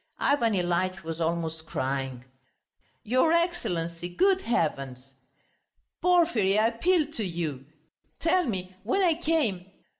Ivan Ilyitch was almost crying. "Your Excellency, good heavens!" "Porfiry, I appeal to you.... Tell me, when I came